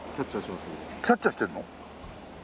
キャッチャーしますので。